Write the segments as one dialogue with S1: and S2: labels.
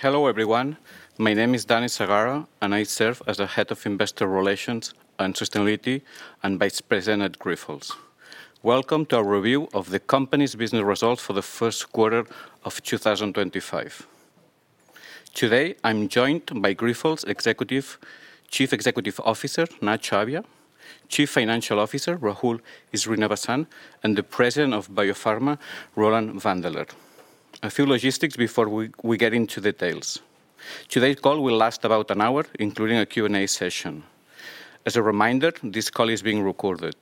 S1: Hello everyone. My name is Dani Segarra, and I serve as the Head of Investor Relations and Sustainability and Vice President at Grifols. Welcome to our review of the company's business results for the first quarter of 2025. Today, I'm joined by Grifols Chief Executive Officer, Nacho Abia, Chief Financial Officer, Rahul Srinivasan, and the President of Biopharma, Roland Wandeler. A few logistics before we get into details. Today's call will last about an hour, including a Q&A session. As a reminder, this call is being recorded.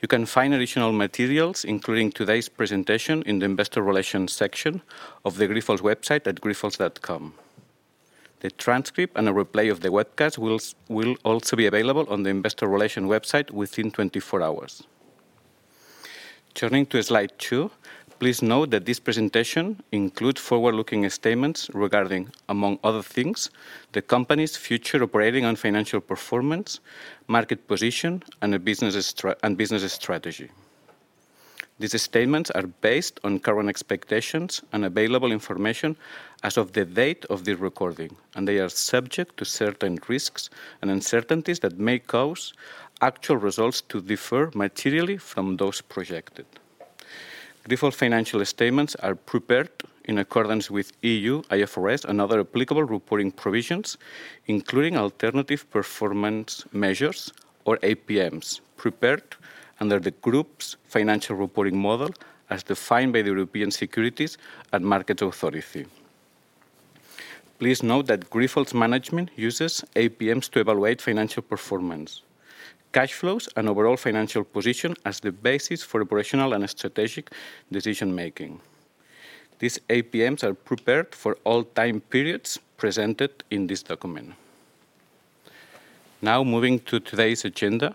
S1: You can find additional materials, including today's presentation, in the Investor Relations section of the Grifols website at grifols.com. The transcript and a replay of the webcast will also be available on the Investor Relations website within 24 hours. Turning to slide two, please note that this presentation includes forward-looking statements regarding, among other things, the company's future operating and financial performance, market position, and business strategy. These statements are based on current expectations and available information as of the date of this recording, and they are subject to certain risks and uncertainties that may cause actual results to differ materially from those projected. Grifols' financial statements are prepared in accordance with EU, IFRS, and other applicable reporting provisions, including Alternative Performance Measures, or APMs, prepared under the Group's Financial Reporting Model as defined by the European Securities and Markets Authority. Please note that Grifols Management uses APMs to evaluate financial performance, cash flows, and overall financial position as the basis for operational and strategic decision-making. These APMs are prepared for all time periods presented in this document. Now, moving to today's agenda,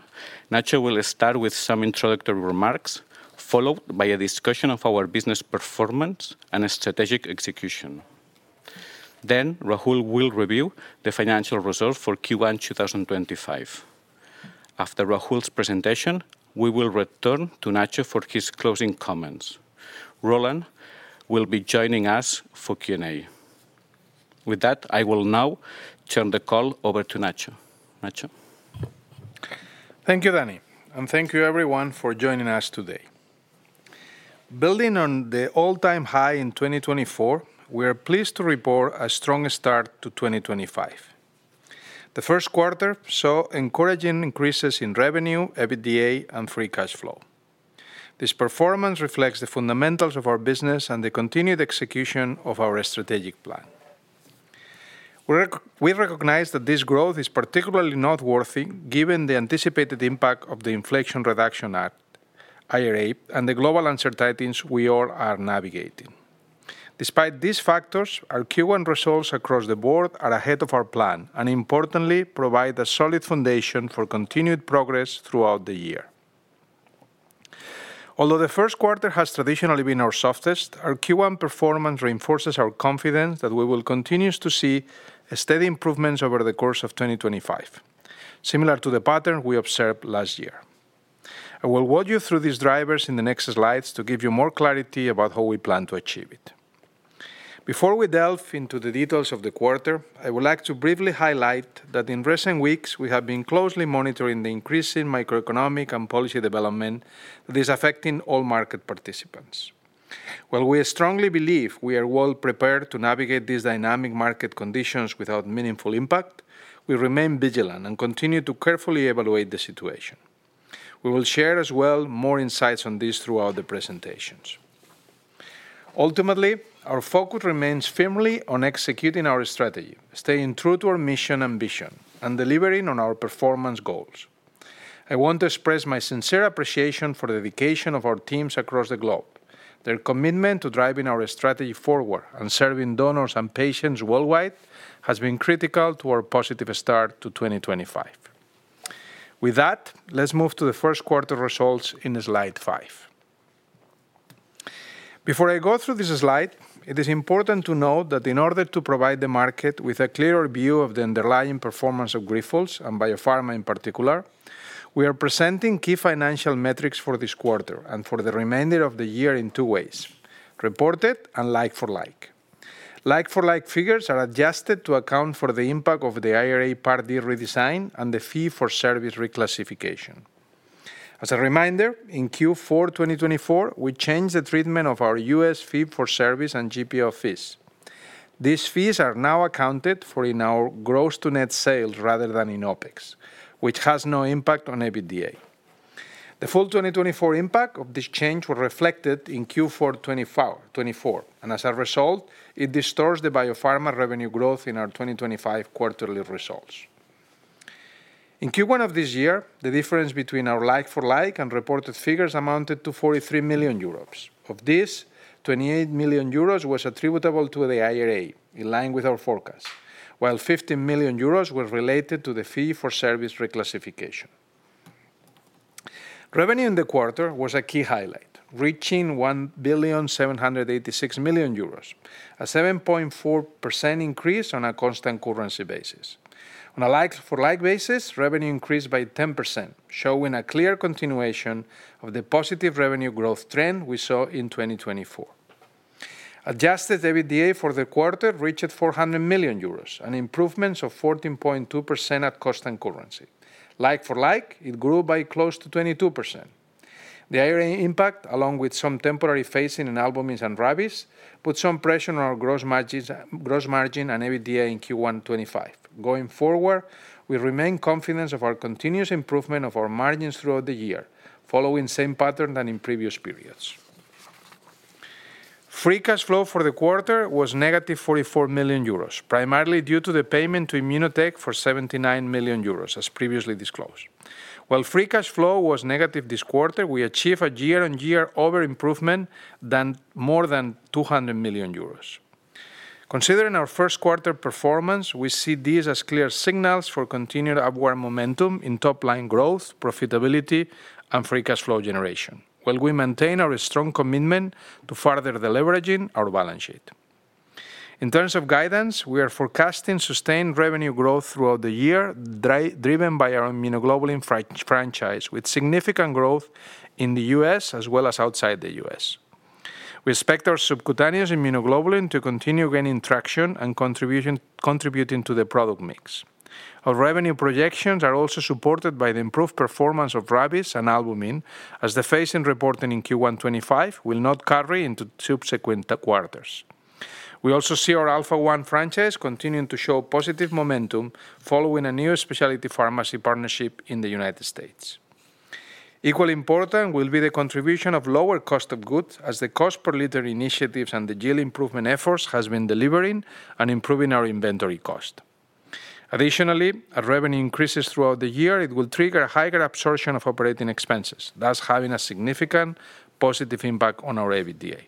S1: Nacho will start with some introductory remarks, followed by a discussion of our business performance and strategic execution. Then, Rahul will review the financial results for Q1 2025. After Rahul's presentation, we will return to Nacho for his closing comments. Roland will be joining us for Q&A. With that, I will now turn the call over to Nacho. Nacho.
S2: Thank you, Dani, and thank you, everyone, for joining us today. Building on the all-time high in 2024, we are pleased to report a strong start to 2025. The first quarter saw encouraging increases in revenue, EBITDA, and free cash flow. This performance reflects the fundamentals of our business and the continued execution of our strategic plan. We recognize that this growth is particularly noteworthy given the anticipated impact of the Inflation Reduction Act, IRA, and the global uncertainties we all are navigating. Despite these factors, our Q1 results across the board are ahead of our plan and, importantly, provide a solid foundation for continued progress throughout the year. Although the first quarter has traditionally been our softest, our Q1 performance reinforces our confidence that we will continue to see steady improvements over the course of 2025, similar to the pattern we observed last year. I will walk you through these drivers in the next slides to give you more clarity about how we plan to achieve it. Before we delve into the details of the quarter, I would like to briefly highlight that in recent weeks, we have been closely monitoring the increasing macroeconomic and policy development that is affecting all market participants. While we strongly believe we are well prepared to navigate these dynamic market conditions without meaningful impact, we remain vigilant and continue to carefully evaluate the situation. We will share as well more insights on this throughout the presentations. Ultimately, our focus remains firmly on executing our strategy, staying true to our mission and vision, and delivering on our performance goals. I want to express my sincere appreciation for the dedication of our teams across the globe. Their commitment to driving our strategy forward and serving donors and patients worldwide has been critical to our positive start to 2025. With that, let's move to the first quarter results in slide five. Before I go through this slide, it is important to note that in order to provide the market with a clearer view of the underlying performance of Grifols and Biopharma in particular, we are presenting key financial metrics for this quarter and for the remainder of the year in two ways: reported and like-for-like. Like-for-like figures are adjusted to account for the impact of the IRA Part D redesign and the fee-for-service reclassification. As a reminder, in Q4 2024, we changed the treatment of our U.S. fee-for-service and GPO fees. These fees are now accounted for in our gross-to-net sales rather than in OPEX, which has no impact on EBITDA. The full 2024 impact of this change was reflected in Q4 2024, and as a result, it distorts the biopharma revenue growth in our 2025 quarterly results. In Q1 of this year, the difference between our like-for-like and reported figures amounted to 43 million euros. Of this, 28 million euros was attributable to the IRA, in line with our forecast, while 15 million euros was related to the fee-for-service reclassification. Revenue in the quarter was a key highlight, reaching 1,786 million euros, a 7.4% increase on a constant currency basis. On a like-for-like basis, revenue increased by 10%, showing a clear continuation of the positive revenue growth trend we saw in 2024. Adjusted EBITDA for the quarter reached 400 million euros, an improvement of 14.2% at cost and currency. Like-for-like, it grew by close to 22%. The IRA impact, along with some temporary phasing in albumin and rabies, put some pressure on our gross margin and EBITDA in Q1 2025. Going forward, we remain confident of our continuous improvement of our margins throughout the year, following the same pattern as in previous periods. Free cash flow for the quarter was 44 million euros, primarily due to the payment to Immunotech for 79 million euros, as previously disclosed. While free cash flow was negative this quarter, we achieved a year-on-year over-improvement of more than 200 million euros. Considering our first quarter performance, we see these as clear signals for continued upward momentum in top-line growth, profitability, and free cash flow generation, while we maintain our strong commitment to further leveraging our balance sheet. In terms of guidance, we are forecasting sustained revenue growth throughout the year, driven by our immunoglobulin franchise, with significant growth in the U.S. as well as outside the U.S. We expect our subcutaneous immunoglobulin to continue gaining traction and contributing to the product mix. Our revenue projections are also supported by the improved performance of rabies and albumin, as the phasing reporting in Q1 2025 will not carry into subsequent quarters. We also see our Alpha-1 franchise continuing to show positive momentum following a new specialty pharmacy partnership in the United States. Equally important will be the contribution of lower cost of goods, as the cost-per-liter initiatives and the yield improvement efforts have been delivering and improving our inventory cost. Additionally, as revenue increases throughout the year, it will trigger a higher absorption of operating expenses, thus having a significant positive impact on our EBITDA.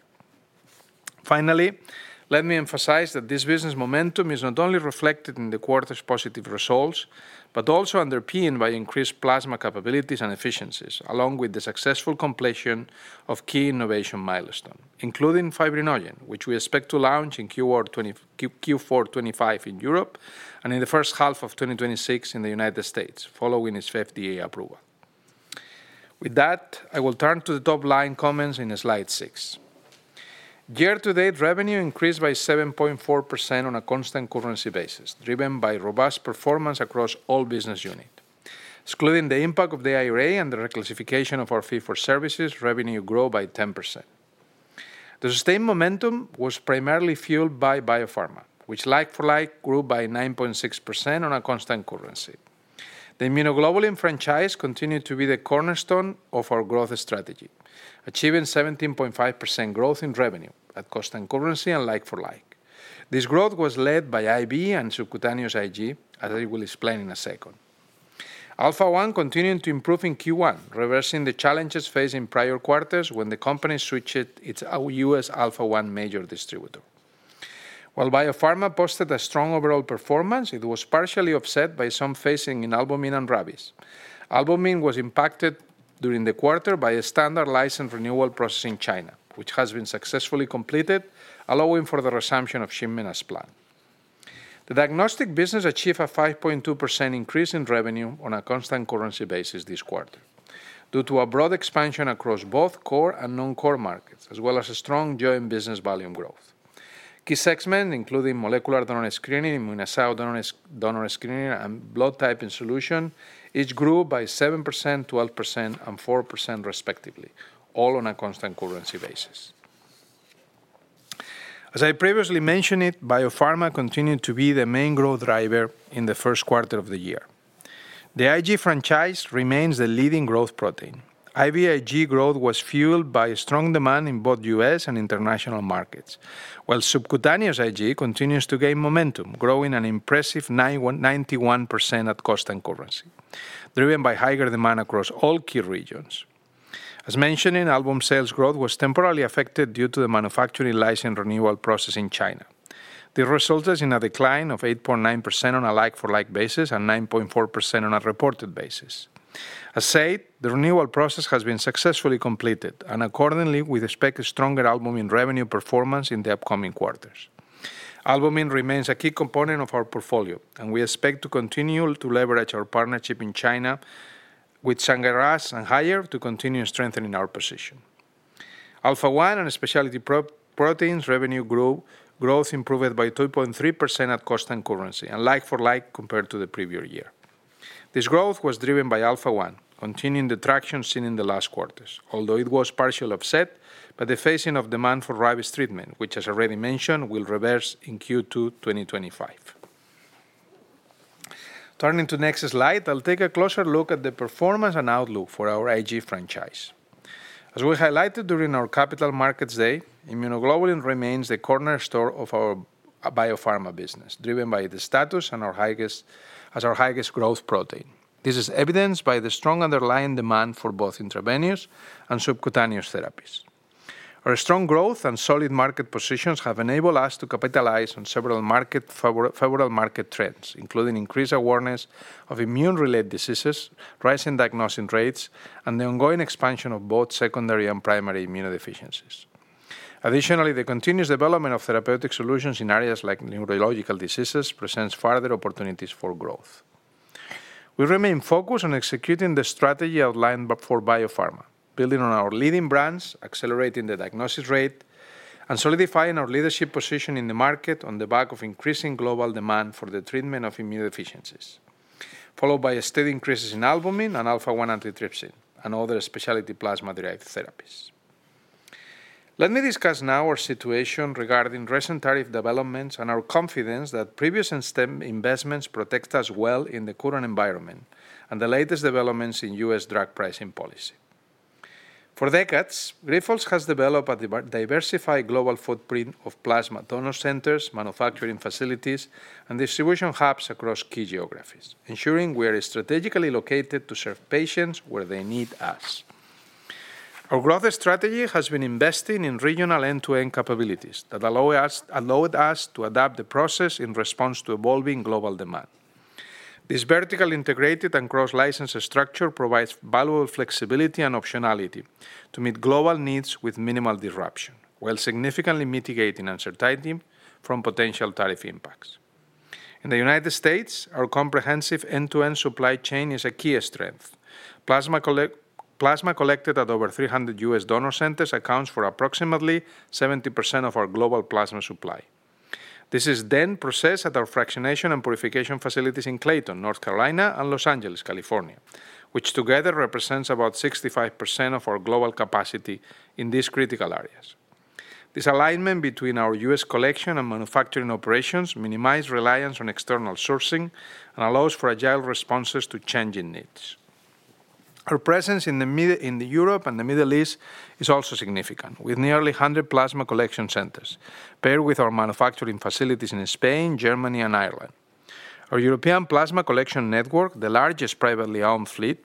S2: Finally, let me emphasize that this business momentum is not only reflected in the quarter's positive results, but also underpinned by increased plasma capabilities and efficiencies, along with the successful completion of key innovation milestones, including fibrinogen, which we expect to launch in Q4 2025 in Europe and in the first half of 2026 in the United States, following its FDA approval. With that, I will turn to the top-line comments in slide six. Year-to-date revenue increased by 7.4% on a constant currency basis, driven by robust performance across all business units. Excluding the impact of the IRA and the reclassification of our fee-for-services, revenue grew by 10%. The sustained momentum was primarily fueled by biopharma, which like-for-like grew by 9.6% on a constant currency. The Immunoglobulin franchise continued to be the cornerstone of our growth strategy, achieving 17.5% growth in revenue at cost and currency and like-for-like. This growth was led by IB and subcutaneous IG, as I will explain in a second. Alpha-1 continued to improve in Q1, reversing the challenges faced in prior quarters when the company switched its U.S. Alpha-1 major distributor. While biopharma posted a strong overall performance, it was partially offset by some phasing in albumin and rabies. Albumin was impacted during the quarter by a standard license renewal process in China, which has been successfully completed, allowing for the resumption of shipment as planned. The diagnostic business achieved a 5.2% increase in revenue on a constant currency basis this quarter due to a broad expansion across both core and non-core markets, as well as strong joint business volume growth. Key segments, including molecular donor screening, immunocyte donor screening, and blood typing solution, each grew by 7%, 12%, and 4% respectively, all on a constant currency basis. As I previously mentioned, biopharma continued to be the main growth driver in the first quarter of the year. The IG franchise remains the leading growth protein. IG growth was fueled by strong demand in both U.S. and international markets, while subcutaneous IG continues to gain momentum, growing an impressive 91% at cost and currency, driven by higher demand across all key regions. As mentioned, albumin sales growth was temporarily affected due to the manufacturing license renewal process in China. This resulted in a decline of 8.9% on a like-for-like basis and 9.4% on a reported basis. As said, the renewal process has been successfully completed, and accordingly, we expect stronger albumin revenue performance in the upcoming quarters. Albumin remains a key component of our portfolio, and we expect to continue to leverage our partnership in China with Shanghai RAAS and Haier to continue strengthening our position. Alpha-1 and specialty proteins revenue growth improved by 2.3% at constant currency, and like-for-like compared to the previous year. This growth was driven by Alpha-1, continuing the traction seen in the last quarters, although it was partially offset by the phasing of demand for rabies treatment, which, as already mentioned, will reverse in Q2 2025. Turning to the next slide, I'll take a closer look at the performance and outlook for our IG franchise. As we highlighted during our Capital Markets Day, immunoglobulin remains the cornerstone of our biopharma business, driven by its status as our highest growth protein. This is evidenced by the strong underlying demand for both intravenous and subcutaneous therapies. Our strong growth and solid market positions have enabled us to capitalize on several favorable market trends, including increased awareness of immune-related diseases, rising diagnosing rates, and the ongoing expansion of both secondary and primary immunodeficiencies. Additionally, the continuous development of therapeutic solutions in areas like neurological diseases presents further opportunities for growth. We remain focused on executing the strategy outlined for biopharma, building on our leading brands, accelerating the diagnosis rate, and solidifying our leadership position in the market on the back of increasing global demand for the treatment of immunodeficiencies, followed by steady increases in albumin and Alpha-1 antitrypsin and other specialty plasma-derived therapies. Let me discuss now our situation regarding recent tariff developments and our confidence that previous and step investments protect us well in the current environment and the latest developments in U.S. drug pricing policy. For decades, Grifols has developed a diversified global footprint of plasma donor centers, manufacturing facilities, and distribution hubs across key geographies, ensuring we are strategically located to serve patients where they need us. Our growth strategy has been investing in regional end-to-end capabilities that allow us to adapt the process in response to evolving global demand. This vertically integrated and cross-licensed structure provides valuable flexibility and optionality to meet global needs with minimal disruption, while significantly mitigating uncertainty from potential tariff impacts. In the U.S., our comprehensive end-to-end supply chain is a key strength. Plasma collected at over 300 U.S. donor centers accounts for approximately 70% of our global plasma supply. This is then processed at our fractionation and purification facilities in Clayton, North Carolina, and Los Angeles, California, which together represents about 65% of our global capacity in these critical areas. This alignment between our U.S. collection and manufacturing operations minimizes reliance on external sourcing and allows for agile responses to changing needs. Our presence in Europe and the Middle East is also significant, with nearly 100 plasma collection centers, paired with our manufacturing facilities in Spain, Germany, and Ireland. Our European plasma collection network, the largest privately owned fleet,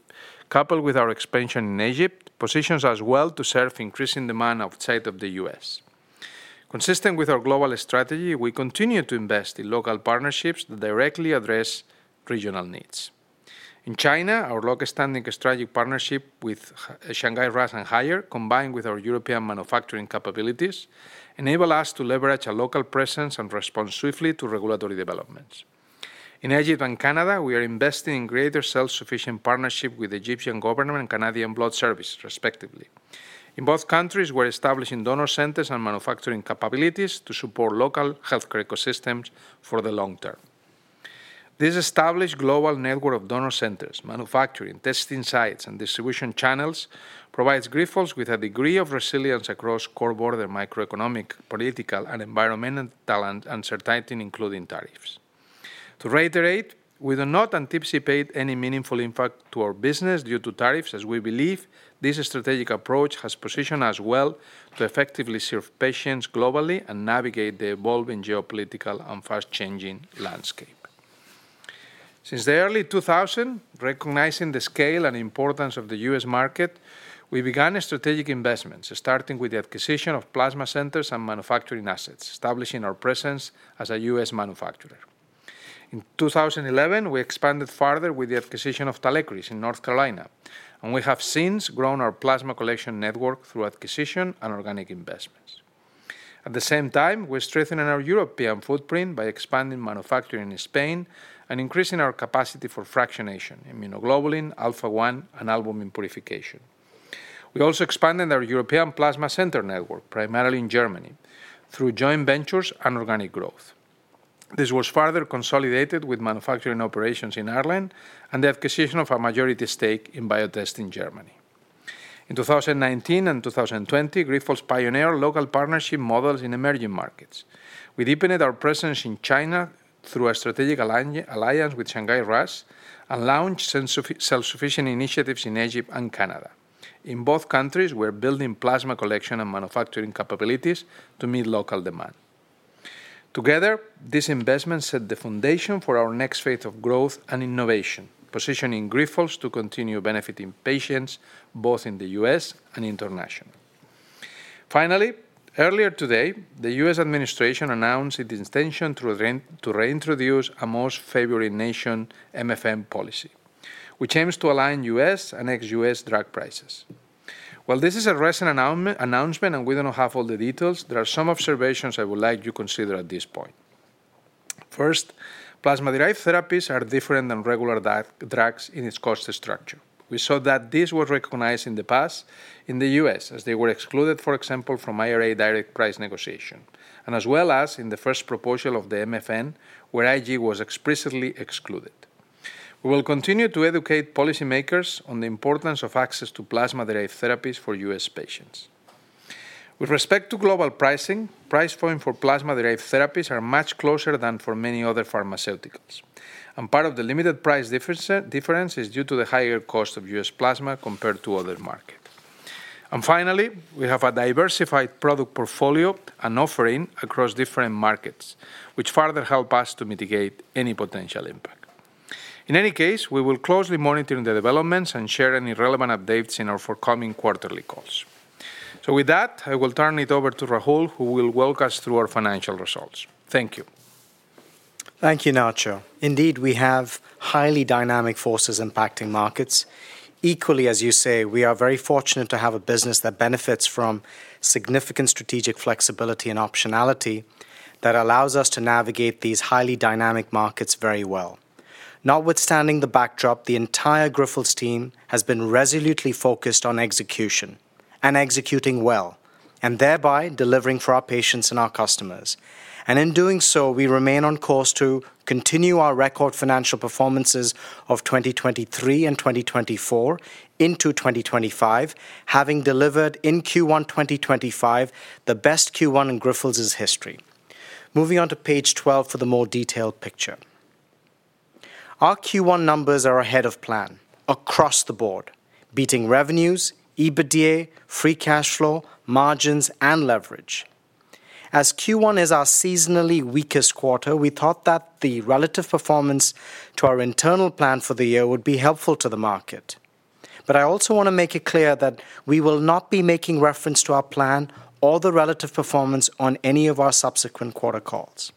S2: coupled with our expansion in Egypt, positions us well to serve increasing demand outside of the US. Consistent with our global strategy, we continue to invest in local partnerships that directly address regional needs. In China, our long-standing strategic partnership with Shanghai RAAS and Haier, combined with our European manufacturing capabilities, enables us to leverage a local presence and respond swiftly to regulatory developments. In Egypt and Canada, we are investing in greater self-sufficient partnerships with the Egyptian government and Canadian Blood Services, respectively. In both countries, we are establishing donor centers and manufacturing capabilities to support local healthcare ecosystems for the long term. This established global network of donor centers, manufacturing, testing sites, and distribution channels provides Grifols with a degree of resilience across core borders, microeconomic, political, and environmental uncertainty, including tariffs. To reiterate, we do not anticipate any meaningful impact to our business due to tariffs, as we believe this strategic approach has positioned us well to effectively serve patients globally and navigate the evolving geopolitical and fast-changing landscape. Since the early 2000s, recognizing the scale and importance of the U.S. market, we began strategic investments, starting with the acquisition of plasma centers and manufacturing assets, establishing our presence as a U.S. manufacturer. In 2011, we expanded further with the acquisition of Talecris in North Carolina, and we have since grown our plasma collection network through acquisition and organic investments. At the same time, we are strengthening our European footprint by expanding manufacturing in Spain and increasing our capacity for fractionation, immunoglobulin, Alpha-1, and albumin purification. We also expanded our European plasma center network, primarily in Germany, through joint ventures and organic growth. This was further consolidated with manufacturing operations in Ireland and the acquisition of a majority stake in Biotest in Germany. In 2019 and 2020, Grifols pioneered local partnership models in emerging markets. We deepened our presence in China through a strategic alliance with Shanghai RAAS and launched self-sufficiency initiatives in Egypt and Canada. In both countries, we are building plasma collection and manufacturing capabilities to meet local demand. Together, this investment set the foundation for our next phase of growth and innovation, positioning Grifols to continue benefiting patients both in the U.S. and internationally. Finally, earlier today, the U.S. administration announced its intention to reintroduce a most favored nation MFN policy, which aims to align U.S. and ex-U.S. drug prices. While this is a recent announcement and we do not have all the details, there are some observations I would like you to consider at this point. First, plasma-derived therapies are different than regular drugs in its cost structure. We saw that this was recognized in the past in the U.S., as they were excluded, for example, from IRA direct price negotiation, and as well as in the first proposal of the MFN, where IG was explicitly excluded. We will continue to educate policymakers on the importance of access to plasma-derived therapies for U.S. patients. With respect to global pricing, price points for plasma-derived therapies are much closer than for many other pharmaceuticals, and part of the limited price difference is due to the higher cost of U.S. plasma compared to other markets. Finally, we have a diversified product portfolio and offering across different markets, which further helps us to mitigate any potential impact. In any case, we will closely monitor the developments and share any relevant updates in our forthcoming quarterly calls. With that, I will turn it over to Rahul, who will walk us through our financial results. Thank you.
S3: Thank you, Nacho. Indeed, we have highly dynamic forces impacting markets. Equally, as you say, we are very fortunate to have a business that benefits from significant strategic flexibility and optionality that allows us to navigate these highly dynamic markets very well. Notwithstanding the backdrop, the entire Grifols team has been resolutely focused on execution and executing well, and thereby delivering for our patients and our customers. In doing so, we remain on course to continue our record financial performances of 2023 and 2024 into 2025, having delivered in Q1 2025 the best Q1 in Grifols' history. Moving on to page 12 for the more detailed picture. Our Q1 numbers are ahead of plan across the board, beating revenues, EBITDA, free cash flow, margins, and leverage. As Q1 is our seasonally weakest quarter, we thought that the relative performance to our internal plan for the year would be helpful to the market. I also want to make it clear that we will not be making reference to our plan or the relative performance on any of our subsequent quarter calls.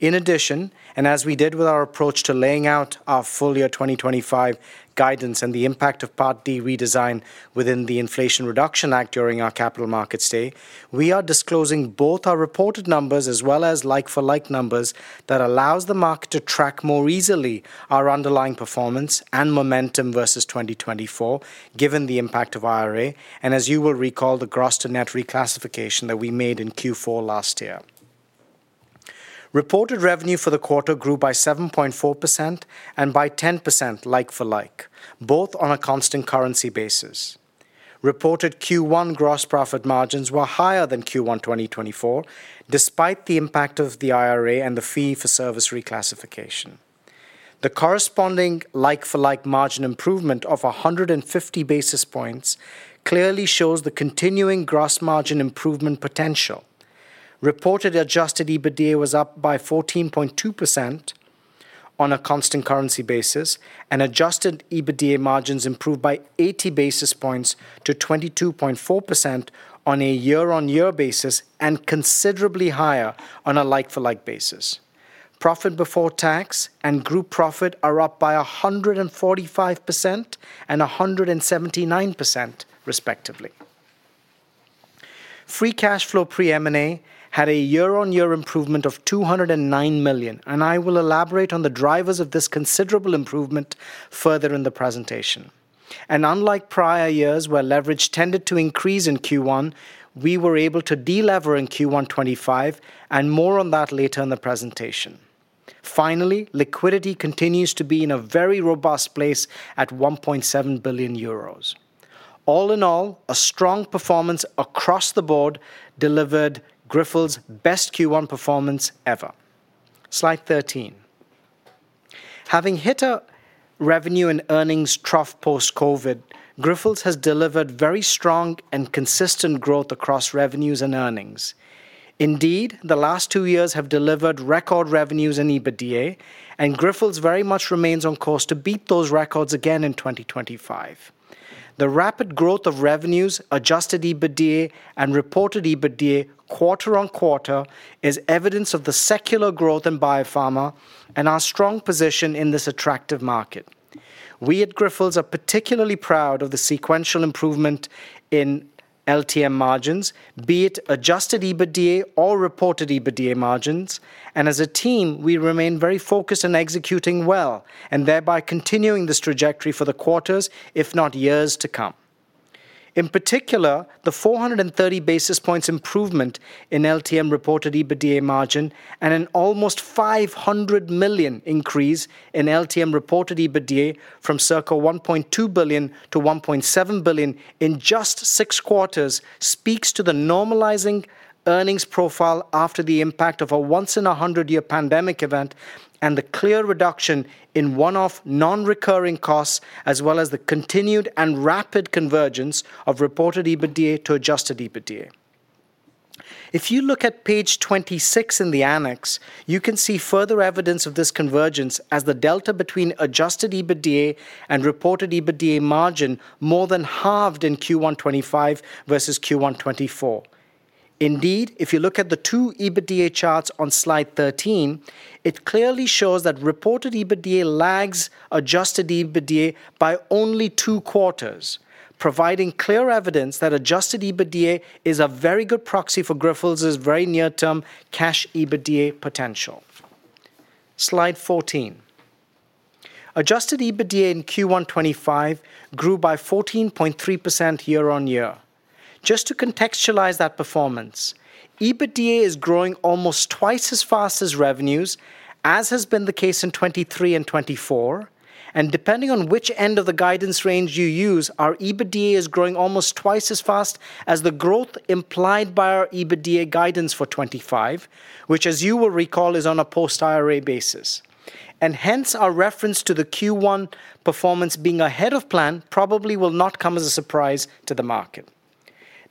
S3: In addition, and as we did with our approach to laying out our full year 2025 guidance and the impact of Part D redesign within the Inflation Reduction Act during our Capital Markets Day, we are disclosing both our reported numbers as well as like-for-like numbers that allow the market to track more easily our underlying performance and momentum versus 2024, given the impact of IRA, and as you will recall, the gross-to-net reclassification that we made in Q4 last year. Reported revenue for the quarter grew by 7.4% and by 10% like-for-like, both on a constant currency basis. Reported Q1 gross profit margins were higher than Q1 2024, despite the impact of the IRA and the fee for service reclassification. The corresponding like-for-like margin improvement of 150 basis points clearly shows the continuing gross margin improvement potential. Reported adjusted EBITDA was up by 14.2% on a constant currency basis, and adjusted EBITDA margins improved by 80 basis points to 22.4% on a year-on-year basis and considerably higher on a like-for-like basis. Profit before tax and group profit are up by 145% and 179%, respectively. Free cash flow pre-M&A had a year-on-year improvement of 209 million, and I will elaborate on the drivers of this considerable improvement further in the presentation. Unlike prior years where leverage tended to increase in Q1, we were able to de-lever in Q1 2025, and more on that later in the presentation. Finally, liquidity continues to be in a very robust place at 1.7 billion euros. All in all, a strong performance across the board delivered Grifols' best Q1 performance ever. Slide 13. Having hit a revenue and earnings trough post-COVID, Grifols has delivered very strong and consistent growth across revenues and earnings. Indeed, the last two years have delivered record revenues and EBITDA, and Grifols very much remains on course to beat those records again in 2025. The rapid growth of revenues, adjusted EBITDA, and reported EBITDA quarter-on-quarter is evidence of the secular growth in biopharma and our strong position in this attractive market. We at Grifols are particularly proud of the sequential improvement in LTM margins, be it adjusted EBITDA or reported EBITDA margins, and as a team, we remain very focused on executing well and thereby continuing this trajectory for the quarters, if not years to come. In particular, the 430 basis points improvement in LTM reported EBITDA margin and an almost 500 million increase in LTM reported EBITDA from circa 1.2 billion to 1.7 billion in just six quarters speaks to the normalizing earnings profile after the impact of a once-in-a-hundred-year pandemic event and the clear reduction in one-off non-recurring costs, as well as the continued and rapid convergence of reported EBITDA to adjusted EBITDA. If you look at page 26 in the annex, you can see further evidence of this convergence as the delta between adjusted EBITDA and reported EBITDA margin more than halved in Q1 2025 versus Q1 2024. Indeed, if you look at the two EBITDA charts on slide 13, it clearly shows that reported EBITDA lags adjusted EBITDA by only two quarters, providing clear evidence that adjusted EBITDA is a very good proxy for Grifols' very near-term cash EBITDA potential. Slide 14. Adjusted EBITDA in Q1 2025 grew by 14.3% year-on-year. Just to contextualize that performance, EBITDA is growing almost twice as fast as revenues, as has been the case in 2023 and 2024, and depending on which end of the guidance range you use, our EBITDA is growing almost twice as fast as the growth implied by our EBITDA guidance for 2025, which, as you will recall, is on a post-IRA basis. Our reference to the Q1 performance being ahead of plan probably will not come as a surprise to the market.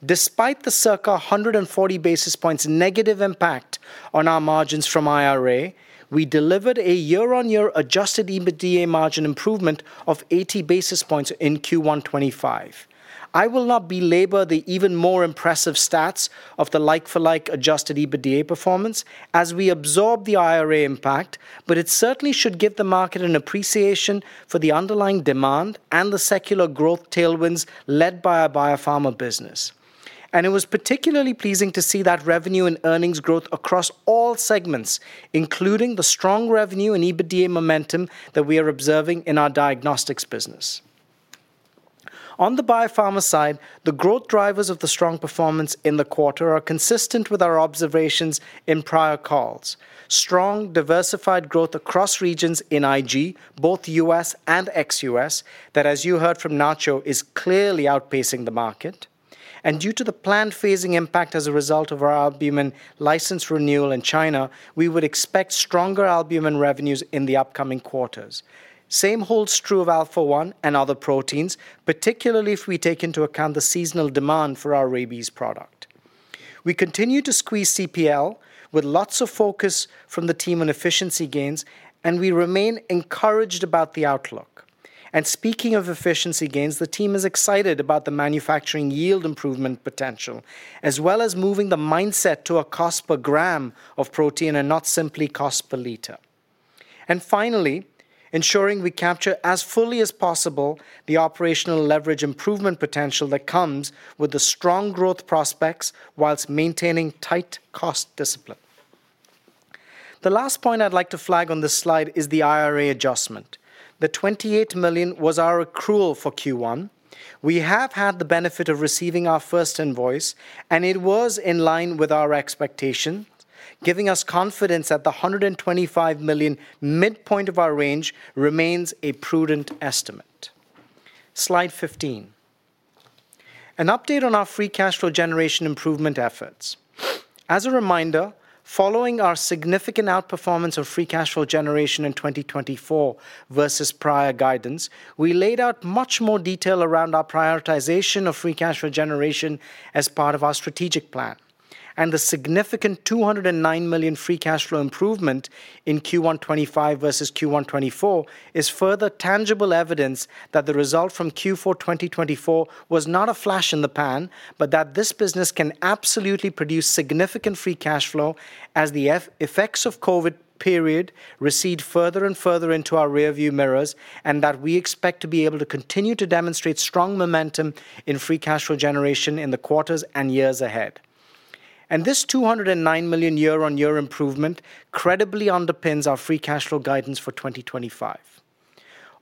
S3: Despite the circa 140 basis points negative impact on our margins from IRA, we delivered a year-on-year adjusted EBITDA margin improvement of 80 basis points in Q1 2025. I will not belabor the even more impressive stats of the like-for-like adjusted EBITDA performance as we absorb the IRA impact, but it certainly should give the market an appreciation for the underlying demand and the secular growth tailwinds led by our biopharma business. It was particularly pleasing to see that revenue and earnings growth across all segments, including the strong revenue and EBITDA momentum that we are observing in our diagnostics business. On the biopharma side, the growth drivers of the strong performance in the quarter are consistent with our observations in prior calls: strong, diversified growth across regions in IG, both U.S. and ex-U.S., that, as you heard from Nacho, is clearly outpacing the market. Due to the planned phasing impact as a result of our albumin license renewal in China, we would expect stronger albumin revenues in the upcoming quarters. Same holds true of Alpha-1 and other proteins, particularly if we take into account the seasonal demand for our rabies product. We continue to squeeze CPL with lots of focus from the team on efficiency gains, and we remain encouraged about the outlook. Speaking of efficiency gains, the team is excited about the manufacturing yield improvement potential, as well as moving the mindset to a cost per gram of protein and not simply cost per liter. Finally, ensuring we capture as fully as possible the operational leverage improvement potential that comes with the strong growth prospects whilst maintaining tight cost discipline. The last point I'd like to flag on this slide is the IRA adjustment. The 28 million was our accrual for Q1. We have had the benefit of receiving our first invoice, and it was in line with our expectation, giving us confidence that the 125 million midpoint of our range remains a prudent estimate. Slide 15. An update on our free cash flow generation improvement efforts. As a reminder, following our significant outperformance of free cash flow generation in 2024 versus prior guidance, we laid out much more detail around our prioritization of free cash flow generation as part of our strategic plan. The significant 209 million free cash flow improvement in Q1 2025 versus Q1 2024 is further tangible evidence that the result from Q4 2024 was not a flash in the pan, but that this business can absolutely produce significant free cash flow as the effects of the COVID period recede further and further into our rearview mirrors. We expect to be able to continue to demonstrate strong momentum in free cash flow generation in the quarters and years ahead. This 209 million year-on-year improvement credibly underpins our free cash flow guidance for 2025.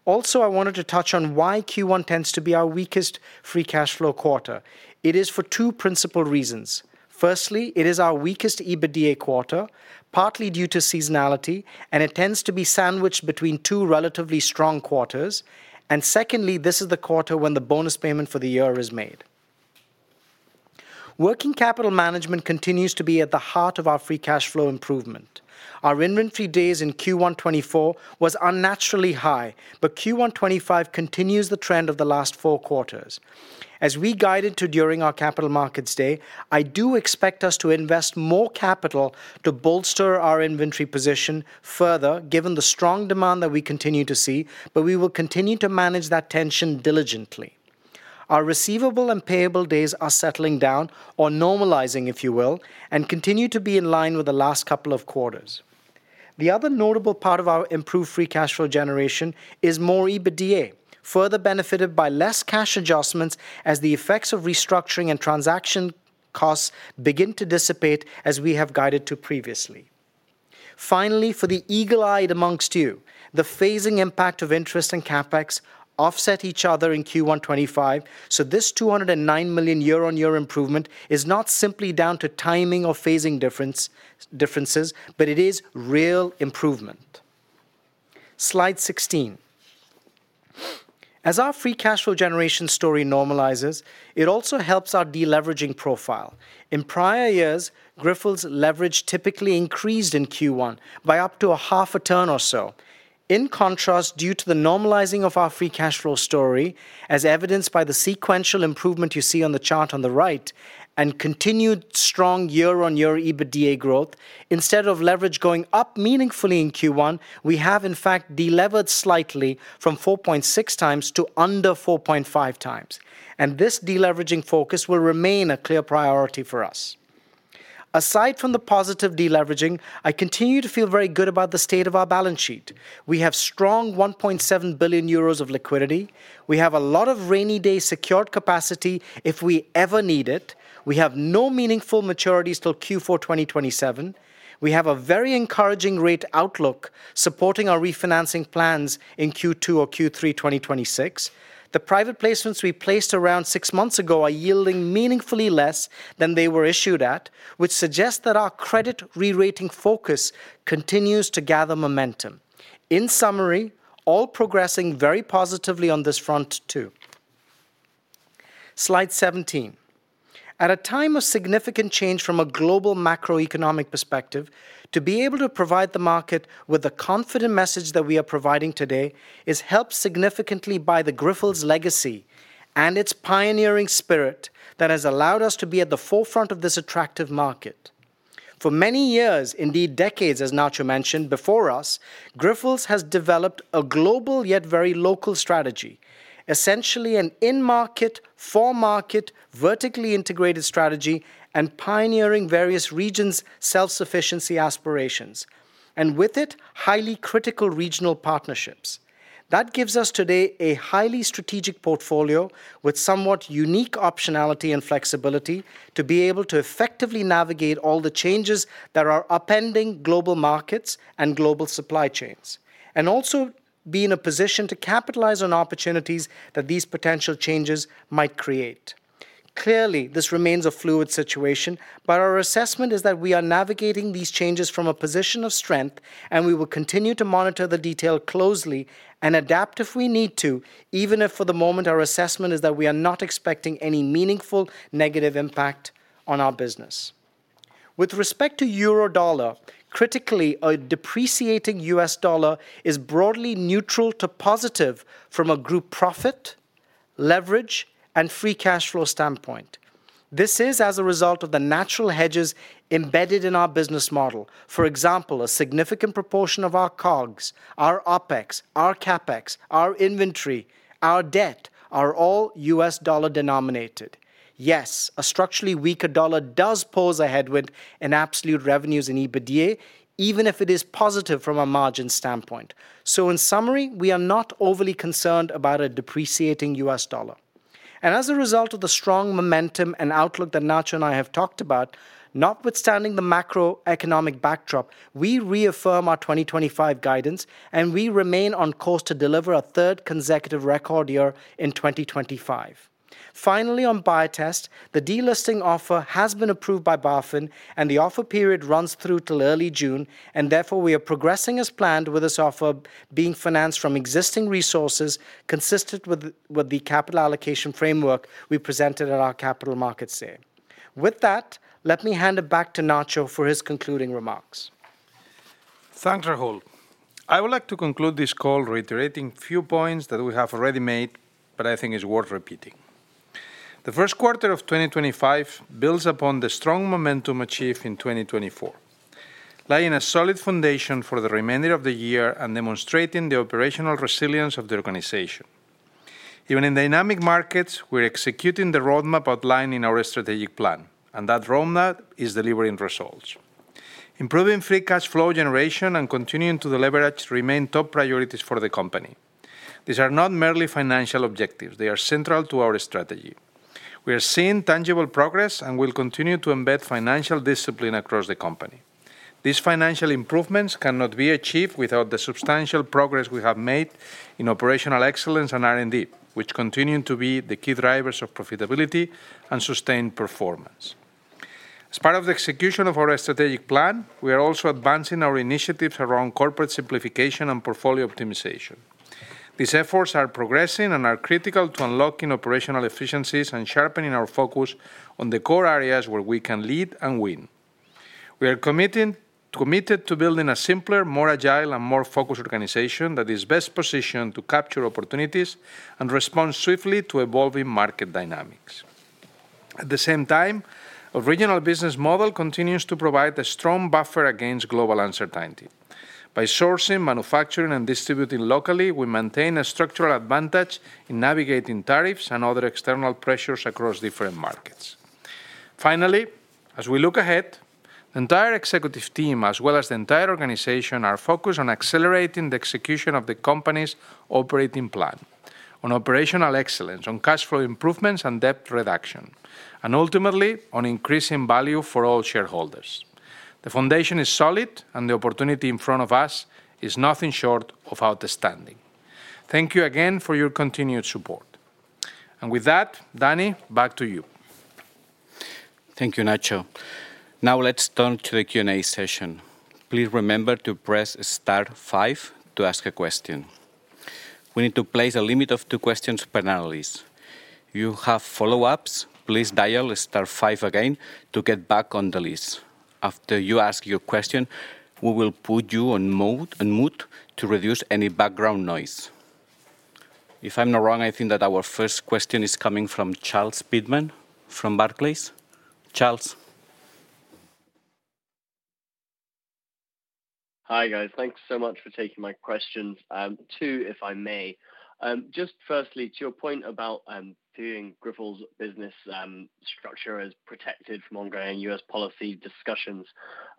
S3: Also, I wanted to touch on why Q1 tends to be our weakest free cash flow quarter. It is for two principal reasons. Firstly, it is our weakest EBITDA quarter, partly due to seasonality, and it tends to be sandwiched between two relatively strong quarters. This is the quarter when the bonus payment for the year is made. Working capital management continues to be at the heart of our free cash flow improvement. Our inventory days in Q1 2024 were unnaturally high, but Q1 2025 continues the trend of the last four quarters. As we guided to during our capital markets day, I do expect us to invest more capital to bolster our inventory position further, given the strong demand that we continue to see, but we will continue to manage that tension diligently. Our receivable and payable days are settling down or normalizing, if you will, and continue to be in line with the last couple of quarters. The other notable part of our improved free cash flow generation is more EBITDA, further benefited by less cash adjustments as the effects of restructuring and transaction costs begin to dissipate, as we have guided to previously. Finally, for the eagle-eyed amongst you, the phasing impact of interest and CapEx offset each other in Q1 2025, so this 209 million year-on-year improvement is not simply down to timing or phasing differences, but it is real improvement. Slide 16. As our free cash flow generation story normalizes, it also helps our deleveraging profile. In prior years, Grifols' leverage typically increased in Q1 by up to half a turn or so. In contrast, due to the normalizing of our free cash flow story, as evidenced by the sequential improvement you see on the chart on the right and continued strong year-on-year EBITDA growth, instead of leverage going up meaningfully in Q1, we have in fact de-levered slightly from 4.6 times to under 4.5 times. This de-leveraging focus will remain a clear priority for us. Aside from the positive de-leveraging, I continue to feel very good about the state of our balance sheet. We have strong 1.7 billion euros of liquidity. We have a lot of rainy day secured capacity if we ever need it. We have no meaningful maturities till Q4 2027. We have a very encouraging rate outlook supporting our refinancing plans in Q2 or Q3 2026. The private placements we placed around six months ago are yielding meaningfully less than they were issued at, which suggests that our credit re-rating focus continues to gather momentum. In summary, all progressing very positively on this front too. Slide 17. At a time of significant change from a global macroeconomic perspective, to be able to provide the market with the confident message that we are providing today is helped significantly by Grifols' legacy and its pioneering spirit that has allowed us to be at the forefront of this attractive market. For many years, indeed decades, as Nacho mentioned, before us, Grifols has developed a global yet very local strategy, essentially an in-market, for-market, vertically integrated strategy and pioneering various regions' self-sufficiency aspirations, and with it, highly critical regional partnerships. That gives us today a highly strategic portfolio with somewhat unique optionality and flexibility to be able to effectively navigate all the changes that are upending global markets and global supply chains, and also be in a position to capitalize on opportunities that these potential changes might create. Clearly, this remains a fluid situation, but our assessment is that we are navigating these changes from a position of strength, and we will continue to monitor the detail closely and adapt if we need to, even if for the moment our assessment is that we are not expecting any meaningful negative impact on our business. With respect to euro dollar, critically, a depreciating U.S. dollar is broadly neutral to positive from a group profit, leverage, and free cash flow standpoint. This is as a result of the natural hedges embedded in our business model. For example, a significant proportion of our COGS, our OpEx, our CapEx, our inventory, our debt are all U.S. dollar denominated. Yes, a structurally weaker dollar does pose a headwind in absolute revenues and EBITDA, even if it is positive from a margin standpoint. In summary, we are not overly concerned about a depreciating U.S. dollar. As a result of the strong momentum and outlook that Nacho and I have talked about, notwithstanding the macroeconomic backdrop, we reaffirm our 2025 guidance, and we remain on course to deliver a third consecutive record year in 2025. Finally, on Biotest, the delisting offer has been approved by BaFin, and the offer period runs through till early June, and therefore we are progressing as planned with this offer being financed from existing resources consistent with the capital allocation framework we presented at our capital markets day. With that, let me hand it back to Nacho for his concluding remarks.
S2: Thanks, Rahul. I would like to conclude this call reiterating a few points that we have already made, but I think it's worth repeating. The first quarter of 2025 builds upon the strong momentum achieved in 2024, laying a solid foundation for the remainder of the year and demonstrating the operational resilience of the organization. Even in dynamic markets, we're executing the roadmap outlined in our strategic plan, and that roadmap is delivering results. Improving free cash flow generation and continuing to deliver remain top priorities for the company. These are not merely financial objectives; they are central to our strategy. We are seeing tangible progress and will continue to embed financial discipline across the company. These financial improvements cannot be achieved without the substantial progress we have made in operational excellence and R&D, which continue to be the key drivers of profitability and sustained performance. As part of the execution of our strategic plan, we are also advancing our initiatives around corporate simplification and portfolio optimization. These efforts are progressing and are critical to unlocking operational efficiencies and sharpening our focus on the core areas where we can lead and win. We are committed to building a simpler, more agile, and more focused organization that is best positioned to capture opportunities and respond swiftly to evolving market dynamics. At the same time, our regional business model continues to provide a strong buffer against global uncertainty. By sourcing, manufacturing, and distributing locally, we maintain a structural advantage in navigating tariffs and other external pressures across different markets. Finally, as we look ahead, the entire executive team, as well as the entire organization, are focused on accelerating the execution of the company's operating plan, on operational excellence, on cash flow improvements, and debt reduction, and ultimately on increasing value for all shareholders. The foundation is solid, and the opportunity in front of us is nothing short of outstanding. Thank you again for your continued support. With that, Dani, back to you.
S1: Thank you, Nacho. Now let's turn to the Q&A session. Please remember to press Star five to ask a question. We need to place a limit of two questions per analyst. If you have follow-ups, please dial Star five again to get back on the list. After you ask your question, we will put you on mute to reduce any background noise. If I'm not wrong, I think that our first question is coming from Charles Pitman from Barclays. Charles.
S4: Hi guys, thanks so much for taking my questions. Two, if I may. Just firstly, to your point about viewing Grifols' business structure as protected from ongoing U.S. policy discussions,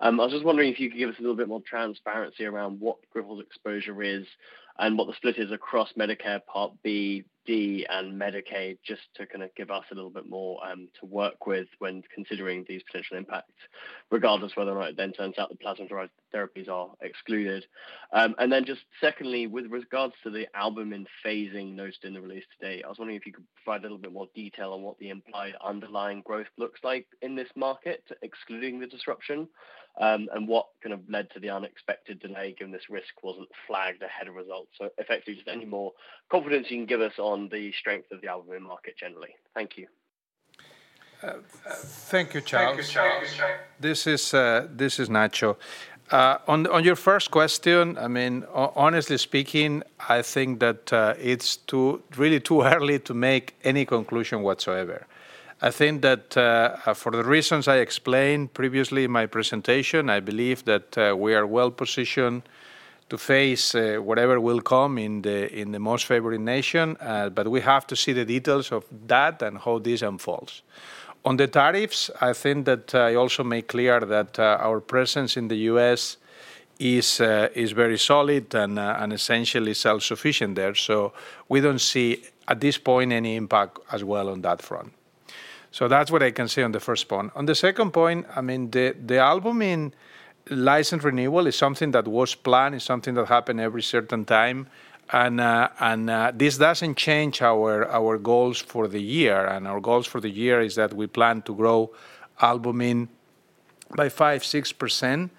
S4: I was just wondering if you could give us a little bit more transparency around what Grifols' exposure is and what the split is across Medicare Part B, D, and Medicaid, just to kind of give us a little bit more to work with when considering these potential impacts, regardless of whether or not it then turns out the plasma-derived therapies are excluded. Then just secondly, with regards to the albumin phasing noted in the release today, I was wondering if you could provide a little bit more detail on what the implied underlying growth looks like in this market, excluding the disruption, and what kind of led to the unexpected delay given this risk was not flagged ahead of results? Effectively, just any more confidence you can give us on the strength of the albumin market generally. Thank you.
S2: Thank you, Charles. This is Nacho. On your first question, honestly speaking, I think that it is really too early to make any conclusion whatsoever. I think that for the reasons I explained previously in my presentation, I believe that we are well positioned to face whatever will come in the most favored nation, but we have to see the details of that and how this unfolds. On the tariffs, I think that I also made clear that our presence in the U.S. is very solid and essentially self-sufficient there, so we do not see at this point any impact as well on that front. That is what I can say on the first point. On the second point, I mean, the albumin license renewal is something that was planned, is something that happens every certain time, and this does not change our goals for the year. Our goals for the year are that we plan to grow albumin by 5%-6%,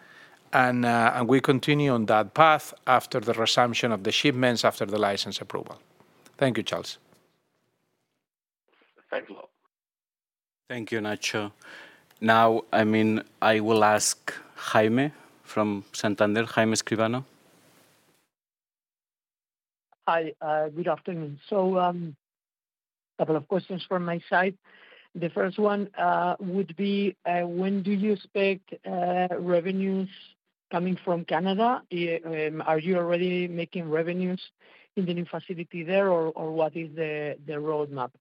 S2: and we continue on that path after the resumption of the shipments, after the license approval. Thank you, Charles. Thank you, Lou.
S1: Thank you, Nacho. Now, I mean, I will ask Jaime from Santander, Jaime Escribano.
S5: Hi, good afternoon. A couple of questions from my side. The first one would be, when do you expect revenues coming from Canada? Are you already making revenues in the new facility there, or what is the roadmap?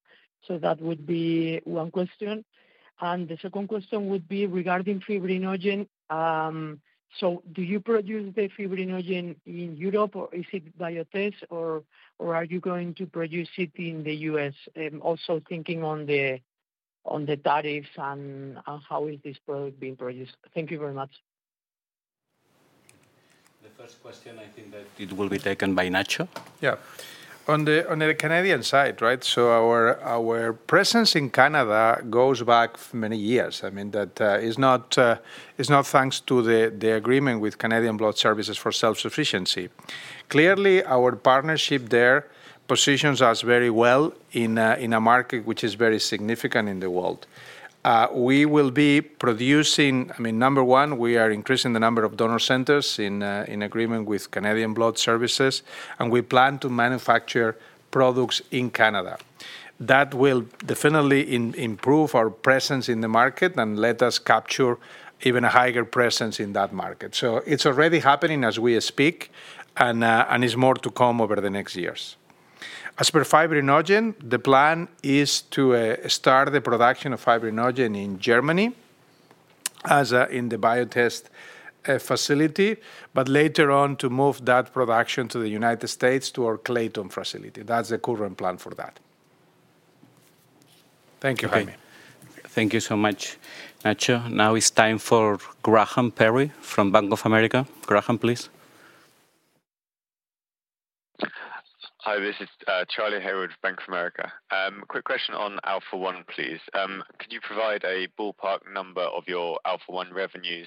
S5: That would be one question. The second question would be regarding fibrinogen. Do you produce the fibrinogen in Europe, or is it Biotest, or are you going to produce it in the U.S.? Also thinking on the tariffs and how is this product being produced. Thank you very much.
S1: The first question, I think that it will be taken by Nacho.
S2: Yeah. On the Canadian side, right, our presence in Canada goes back many years. I mean, that is not thanks to the agreement with Canadian Blood Services for self-sufficiency. Clearly, our partnership there positions us very well in a market which is very significant in the world. We will be producing, I mean, number one, we are increasing the number of donor centers in agreement with Canadian Blood Services, and we plan to manufacture products in Canada. That will definitely improve our presence in the market and let us capture even a higher presence in that market. It's already happening as we speak, and it's more to come over the next years. As per fibrinogen, the plan is to start the production of fibrinogen in Germany in the Biotest facility, but later on to move that production to the United States to our Clayton facility. That's the current plan for that. Thank you, Jaime.
S1: Thank you so much, Nacho. Now it's time for Graham Perry from Bank of America. Graham, please.
S6: Hi, this is Charlie Hayward from Bank of America. Quick question on Alpha-1, please. Could you provide a ballpark number of your Alpha-1 revenues,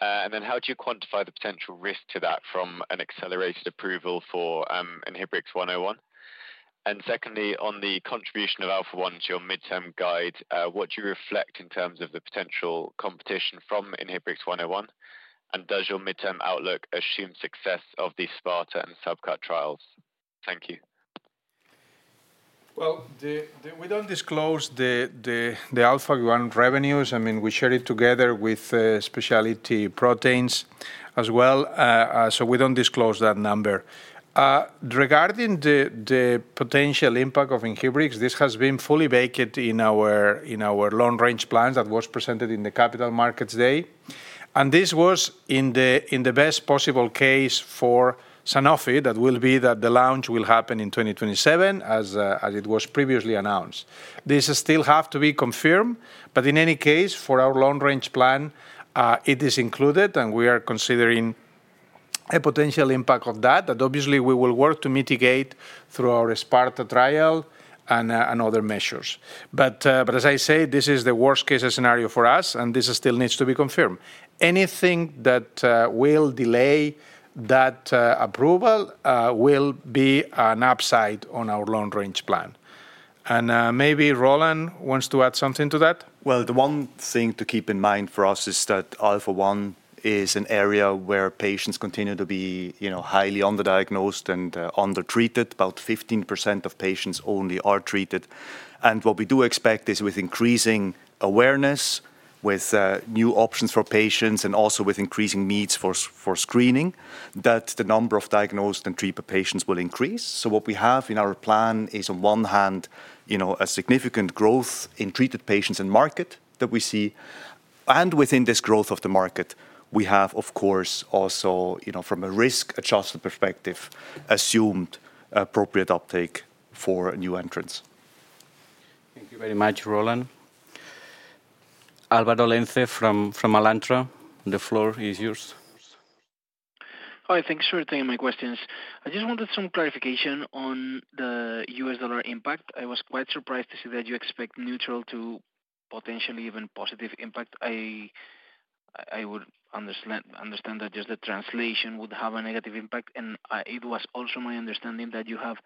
S6: and then how do you quantify the potential risk to that from an accelerated approval for INBRX 101? Secondly, on the contribution of Alpha-1 to your midterm guide, what do you reflect in terms of the potential competition from INBRX 101, and does your midterm outlook assume success of the Sparta and Subcut trials? Thank you.
S2: We do not disclose the Alpha-1 revenues. I mean, we share it together with specialty proteins as well, so we do not disclose that number. Regarding the potential impact of INBRX, this has been fully vacated in our long-range plans that were presented in the capital markets day, and this was in the best possible case for Sanofi that will be that the launch will happen in 2027 as it was previously announced. This still has to be confirmed, but in any case, for our long-range plan, it is included, and we are considering a potential impact of that that obviously we will work to mitigate through our Sparta trial and other measures. As I say, this is the worst-case scenario for us, and this still needs to be confirmed. Anything that will delay that approval will be an upside on our long-range plan. Maybe Roland wants to add something to that?
S7: The one thing to keep in mind for us is that Alpha-1 is an area where patients continue to be highly underdiagnosed and undertreated. About 15% of patients only are treated. What we do expect is with increasing awareness, with new options for patients, and also with increasing needs for screening, that the number of diagnosed and treated patients will increase. What we have in our plan is, on one hand, a significant growth in treated patients and market that we see. Within this growth of the market, we have, of course, also from a risk adjustment perspective, assumed appropriate uptake for new entrants.
S4: Thank you very much, Roland. Álvaro Lenze from Alantra, the floor is yours.
S8: Hi, thanks for taking my questions. I just wanted some clarification on the U.S. dollar impact. I was quite surprised to see that you expect neutral to potentially even positive impact. I would understand that just the translation would have a negative impact, and it was also my understanding that you have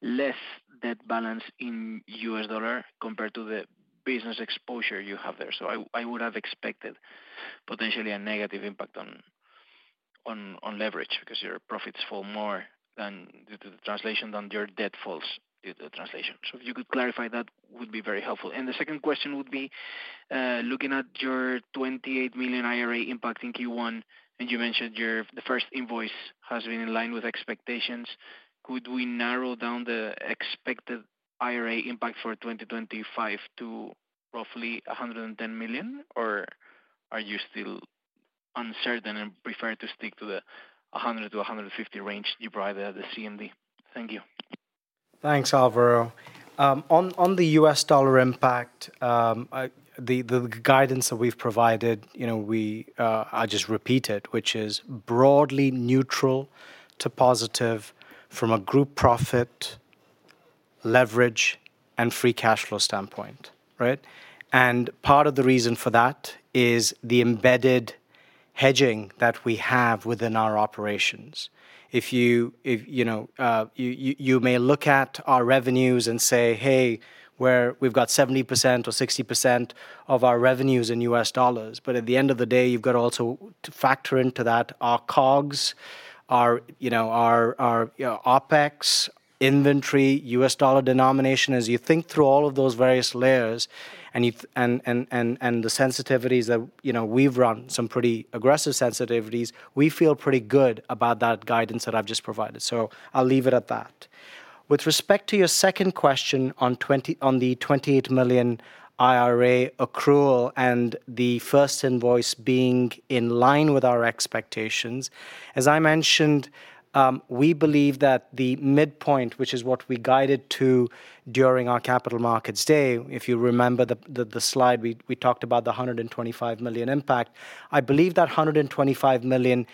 S8: less debt balance in U.S. dollar compared to the business exposure you have there. I would have expected potentially a negative impact on leverage because your profits fall more than due to the translation than your debt falls due to the translation. If you could clarify that, would be very helpful. The second question would be looking at your $28 million IRA impact in Q1, and you mentioned the first invoice has been in line with expectations. Could we narrow down the expected IRA impact for 2025 to roughly $110 million, or are you still uncertain and prefer to stick to the $100 million-$150 million range you provided at the CMD? Thank you.
S3: Thanks, Álvaro. On the U.S. dollar impact, the guidance that we've provided, I'll just repeat it, which is broadly neutral to positive from a group profit, leverage, and free cash flow standpoint, right? Part of the reason for that is the embedded hedging that we have within our operations. You may look at our revenues and say, "Hey, we've got 70% or 60% of our revenues in U.S. dollars," but at the end of the day, you've got to also factor into that our COGS, our OpEx, inventory, U.S. dollar denomination. As you think through all of those various layers and the sensitivities that we've run, some pretty aggressive sensitivities, we feel pretty good about that guidance that I've just provided. I'll leave it at that. With respect to your second question on the $28 million IRA accrual and the first invoice being in line with our expectations, as I mentioned, we believe that the midpoint, which is what we guided to during our capital markets day, if you remember the slide we talked about the $125 million impact, I believe that $125 million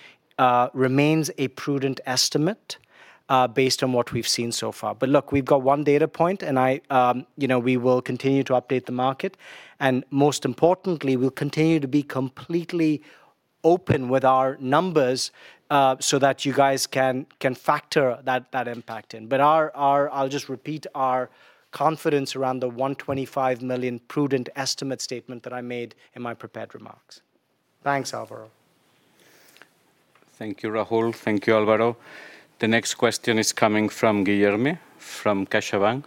S3: remains a prudent estimate based on what we've seen so far. Look, we've got one data point, and we will continue to update the market. Most importantly, we'll continue to be completely open with our numbers so that you guys can factor that impact in. I'll just repeat our confidence around the $125 million prudent estimate statement that I made in my prepared remarks. Thanks, Álvaro.
S1: Thank you, Rahul. Thank you, Álvaro. The next question is coming from Guilherme from CaixaBank.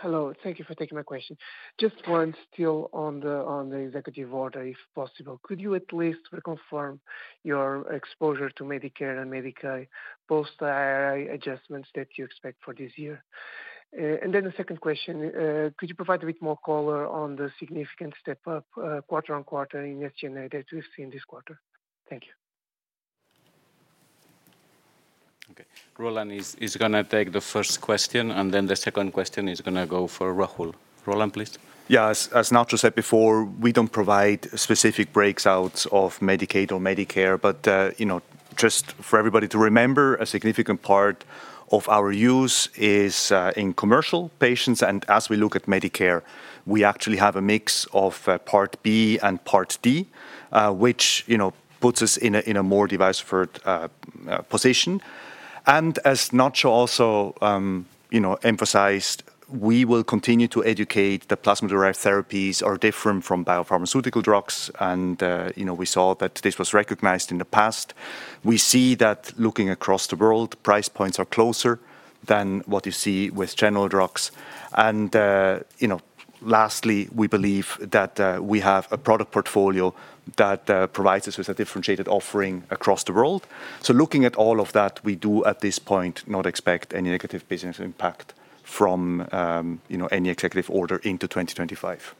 S9: Hello. Thank you for taking my question.
S2: Just one still on the executive order, if possible. Could you at least reconfirm your exposure to Medicare and Medicaid post-IRA adjustments that you expect for this year? And then the second question, could you provide a bit more color on the significant step-up quarter-on-quarter in SG&A that we've seen this quarter? Thank you. Okay.
S1: Roland is going to take the first question, and then the second question is going to go for Rahul. Roland, please.
S7: Yeah, as Nacho said before, we don't provide specific breakouts of Medicaid or Medicare, but just for everybody to remember, a significant part of our use is in commercial patients. And as we look at Medicare, we actually have a mix of Part B and Part D, which puts us in a more device-first position. As Nacho also emphasized, we will continue to educate that plasma-derived therapies are different from biopharmaceutical drugs, and we saw that this was recognized in the past. We see that looking across the world, price points are closer than what you see with general drugs. Lastly, we believe that we have a product portfolio that provides us with a differentiated offering across the world. Looking at all of that, we do at this point not expect any negative business impact from any executive order into 2025.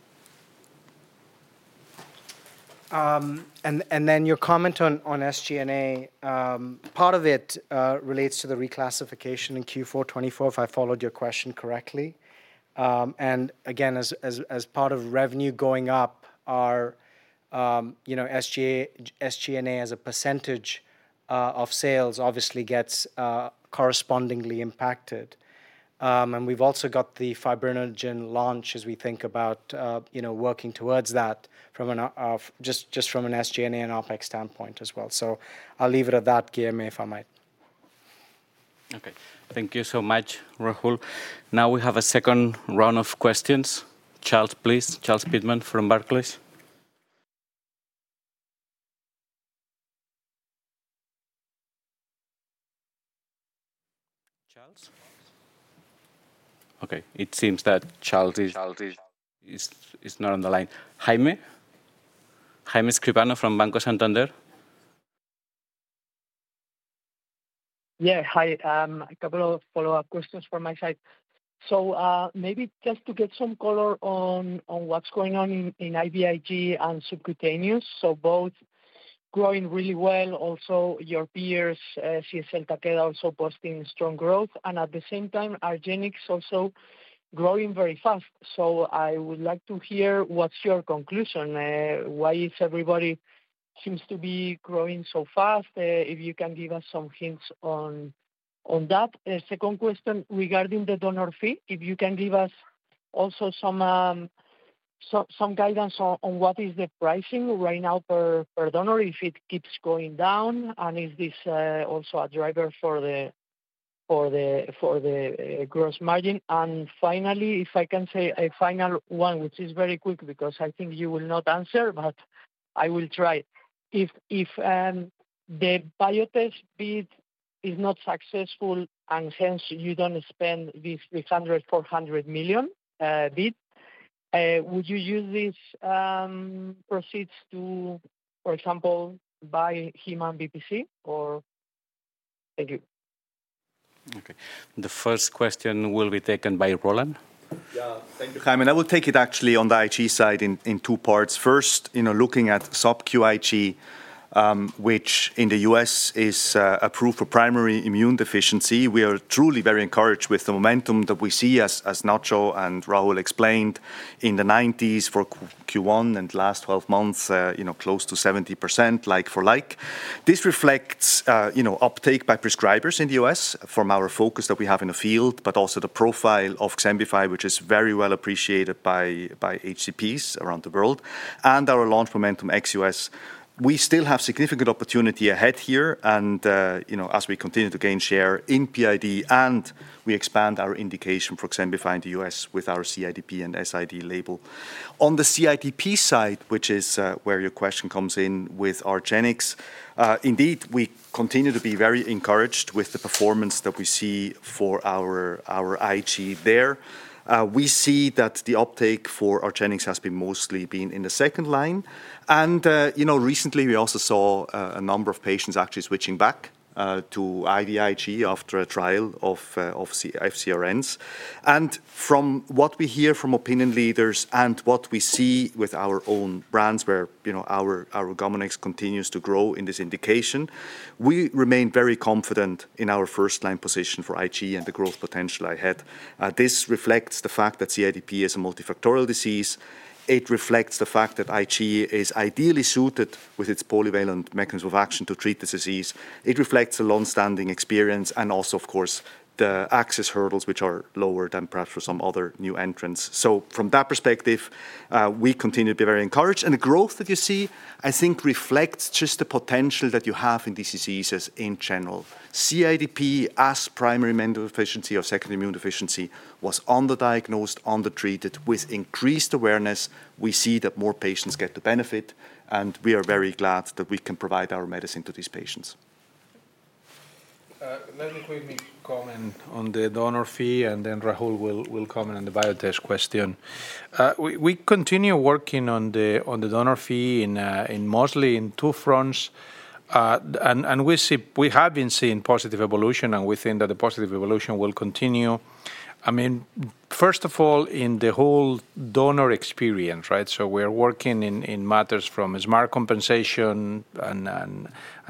S3: Your comment on SG&A, part of it relates to the reclassification in Q4 2024, if I followed your question correctly. Again, as part of revenue going up, SG&A as a percentage of sales obviously gets correspondingly impacted. We have also got the fibrinogen launch as we think about working towards that just from an SG&A and OpEx standpoint as well. I will leave it at that, Guilherme, if I might.
S1: Okay. Thank you so much, Rahul. Now we have a second round of questions. Charles, please. Charles Pittman from Barclays. Charles? Okay. It seems that Charles is not on the line. Jaime? Jaime Escribano from Banco Santander.
S5: Yeah. Hi. A couple of follow-up questions from my side. Maybe just to get some color on what is going on in IVIG and subcutaneous. Both are growing really well. Also, your peers, CSL, Takeda, also posting strong growth. At the same time, Argenx also growing very fast. I would like to hear what is your conclusion. Why does everybody seem to be growing so fast? If you can give us some hints on that. Second question regarding the donor fee, if you can give us also some guidance on what is the pricing right now per donor, if it keeps going down, and is this also a driver for the gross margin? Finally, if I can say a final one, which is very quick because I think you will not answer, but I will try. If the Biotest bid is not successful and hence you do not spend this $300 million-$400 million bid, would you use these proceeds to, for example, buy Haema and BPC, or? Thank you.
S1: Okay. The first question will be taken by Roland.
S7: Yeah. Thank you, Jaime. I will take it actually on the IG side in two parts. First, looking at subcutaneous IG, which in the U.S. is approved for primary immune deficiency, we are truly very encouraged with the momentum that we see, as Nacho and Rahul explained, in the 90s for Q1 and last 12 months, close to 70% like-for-like. This reflects uptake by prescribers in the U.S. from our focus that we have in the field, but also the profile of Xembify, which is very well appreciated by HCPs around the world, and our launch momentum ex-U.S. We still have significant opportunity ahead here, and as we continue to gain share in PID, and we expand our indication for Xembify in the U.S. with our CIDP and SID label. On the CIDP side, which is where your question comes in with Argenx, indeed, we continue to be very encouraged with the performance that we see for our IG there. We see that the uptake for Argenx has mostly been in the second line. Recently, we also saw a number of patients actually switching back to IVIG after a trial of FcRNs. From what we hear from opinion leaders and what we see with our own brands, where our GammaNex continues to grow in this indication, we remain very confident in our first-line position for IG and the growth potential ahead. This reflects the fact that CIDP is a multifactorial disease. It reflects the fact that IG is ideally suited with its polyvalent mechanism of action to treat this disease. It reflects a long-standing experience and also, of course, the access hurdles, which are lower than perhaps for some other new entrants. From that perspective, we continue to be very encouraged. The growth that you see, I think, reflects just the potential that you have in these diseases in general. CIDP as primary mental deficiency or secondary immune deficiency was underdiagnosed, undertreated. With increased awareness, we see that more patients get the benefit, and we are very glad that we can provide our medicine to these patients.
S2: Let me quickly comment on the donor fee, and then Rahul will comment on the Biotest question. We continue working on the donor fee mostly in two fronts. We have been seeing positive evolution, and we think that the positive evolution will continue. I mean, first of all, in the whole donor experience, right? We are working in matters from smart compensation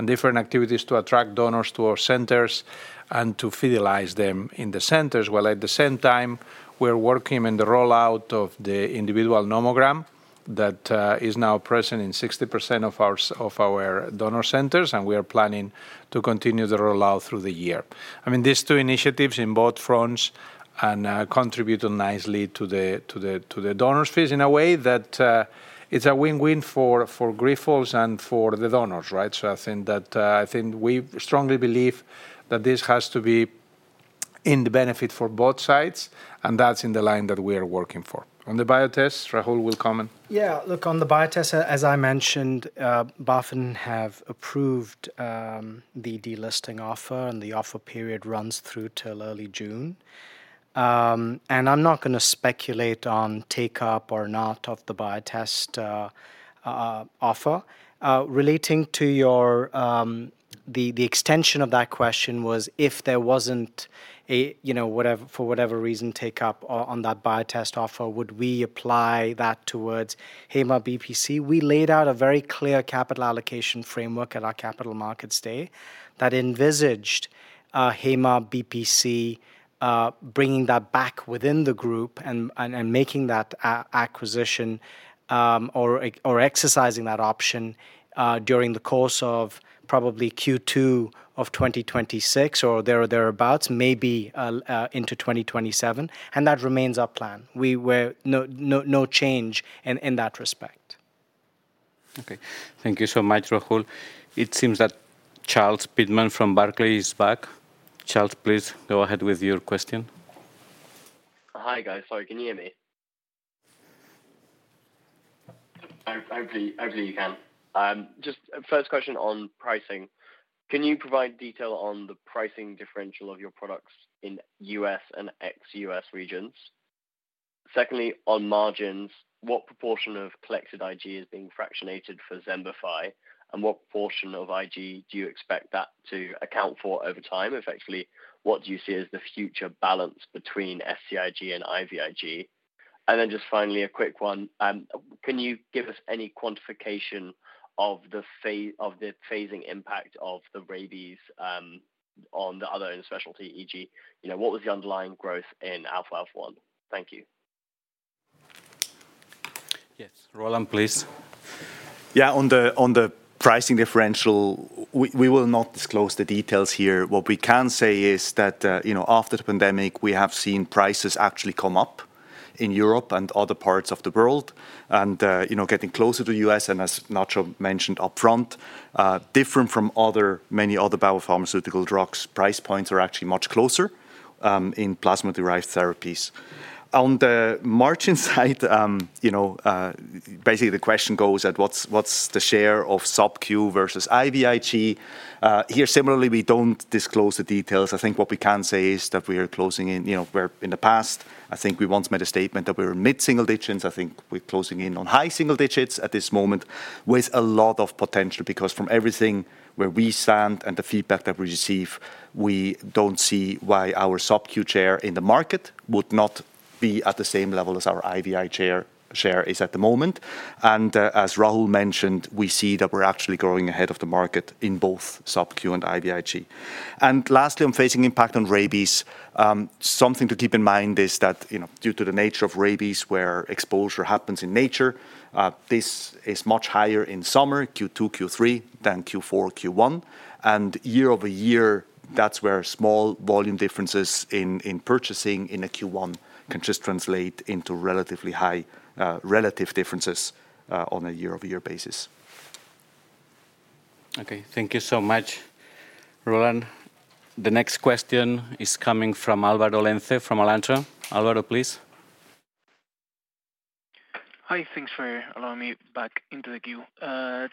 S2: and different activities to attract donors to our centers and to fidelize them in the centers. At the same time, we're working on the rollout of the individual nomogram that is now present in 60% of our donor centers, and we are planning to continue the rollout through the year. I mean, these two initiatives in both fronts contribute nicely to the donors' fees in a way that it's a win-win for Grifols and for the donors, right? I think we strongly believe that this has to be in the benefit for both sides, and that's in the line that we are working for. On the Biotest, Rahul will comment.
S3: Yeah. Look, on the Biotest, as I mentioned, BaFin have approved the delisting offer, and the offer period runs through till early June. I'm not going to speculate on take-up or not of the Biotest offer. Relating to the extension of that question was if there wasn't, for whatever reason, take-up on that Biotest offer, would we apply that towards Haema BPC? We laid out a very clear capital allocation framework at our capital markets day that envisaged Haema BPC bringing that back within the group and making that acquisition or exercising that option during the course of probably Q2 of 2026 or thereabouts, maybe into 2027. That remains our plan. No change in that respect.
S1: Okay. Thank you so much, Rahul. It seems that Charles Pittman from Barclays is back. Charles, please go ahead with your question.
S4: Hi, guys. Sorry, can you hear me? Hopefully, you can. Just first question on pricing. Can you provide detail on the pricing differential of your products in U.S. and ex-U.S. regions?
S2: Secondly, on margins, what proportion of collected IG is being fractionated for Xembify, and what portion of IG do you expect that to account for over time? Effectively, what do you see as the future balance between SCIG and IVIG? Finally, a quick one. Can you give us any quantification of the phasing impact of the rabies on the other specialty, e.g., what was the underlying growth in Alpha-1? Thank you.
S1: Yes. Roland, please.
S7: Yeah. On the pricing differential, we will not disclose the details here. What we can say is that after the pandemic, we have seen prices actually come up in Europe and other parts of the world. Getting closer to the U.S., and as Nacho mentioned upfront, different from many other biopharmaceutical drugs, price points are actually much closer in plasma-derived therapies. On the margin side, basically, the question goes at what's the share of sub-Q versus IVIG? Here, similarly, we don't disclose the details. I think what we can say is that we are closing in. In the past, I think we once made a statement that we were mid-single digits. I think we're closing in on high single digits at this moment with a lot of potential because from everything where we stand and the feedback that we receive, we don't see why our sub-Q share in the market would not be at the same level as our IVIG share is at the moment. As Rahul mentioned, we see that we're actually growing ahead of the market in both sub-Q and IVIG. Lastly, on phasing impact on rabies, something to keep in mind is that due to the nature of rabies, where exposure happens in nature, this is much higher in summer, Q2, Q3, than Q4, Q1. Year over year, that's where small volume differences in purchasing in a Q1 can just translate into relatively high relative differences on a year-over-year basis.
S1: Okay. Thank you so much, Roland. The next question is coming from Álvaro Lenze from Alantra. Álvaro, please.
S8: Hi. Thanks for allowing me back into the queue.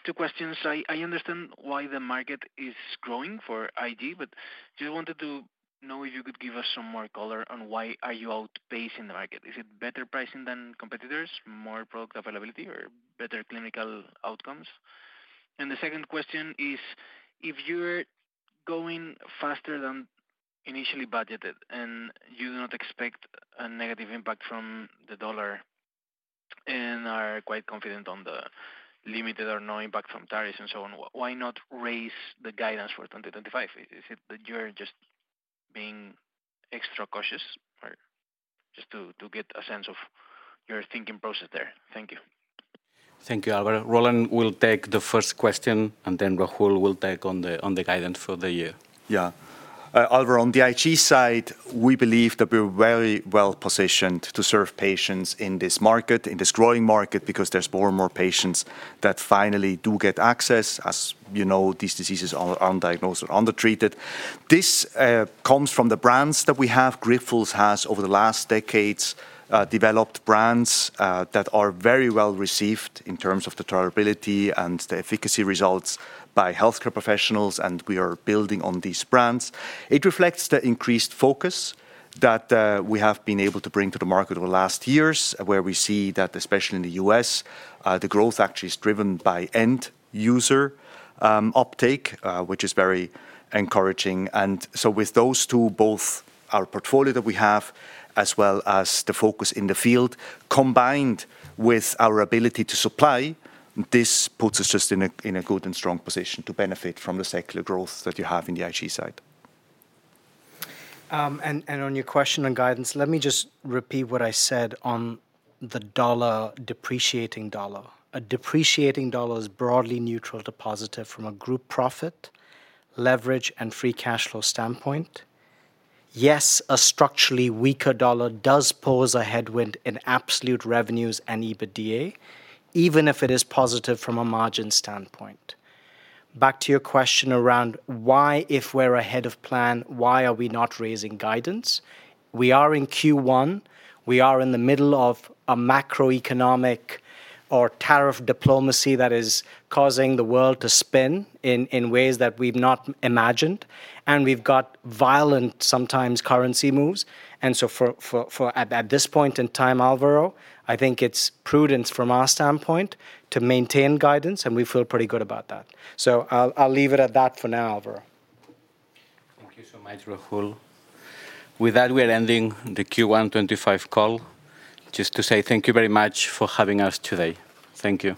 S8: Two questions. I understand why the market is growing for IG, but just wanted to know if you could give us some more color on why are you outpacing the market. Is it better pricing than competitors, more product availability, or better clinical outcomes? The second question is, if you're going faster than initially budgeted and you do not expect a negative impact from the dollar and are quite confident on the limited or no impact from tariffs and so on, why not raise the guidance for 2025? Is it that you're just being extra cautious or just to get a sense of your thinking process there? Thank you.
S1: Thank you, Álvaro. Roland will take the first question, and then Rahul will take on the guidance for the year.
S7: Yeah. Álvaro, on the IG side, we believe that we're very well positioned to serve patients in this market, in this growing market, because there's more and more patients that finally do get access as these diseases are undiagnosed or undertreated. This comes from the brands that we have. Grifols has, over the last decades, developed brands that are very well received in terms of the tolerability and the efficacy results by healthcare professionals, and we are building on these brands. It reflects the increased focus that we have been able to bring to the market over the last years, where we see that, especially in the U.S., the growth actually is driven by end-user uptake, which is very encouraging. With those two, both our portfolio that we have as well as the focus in the field, combined with our ability to supply, this puts us just in a good and strong position to benefit from the secular growth that you have in the IG side.
S3: On your question on guidance, let me just repeat what I said on the dollar depreciating dollar. A depreciating dollar is broadly neutral to positive from a group profit, leverage, and free cash flow standpoint. Yes, a structurally weaker dollar does pose a headwind in absolute revenues and EBITDA, even if it is positive from a margin standpoint. Back to your question around why, if we're ahead of plan, why are we not raising guidance? We are in Q1. We are in the middle of a macroeconomic or tariff diplomacy that is causing the world to spin in ways that we've not imagined. We have violent, sometimes, currency moves. At this point in time, Álvaro, I think it's prudence from our standpoint to maintain guidance, and we feel pretty good about that. I'll leave it at that for now, Álvaro.
S8: Thank you so much, Rahul.
S1: With that, we are ending the Q1 2025 call. Just to say thank you very much for having us today. Thank you.